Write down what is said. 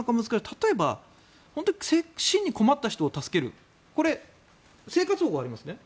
例えば、真に困った人を助けるこれ、生活保護がありますね。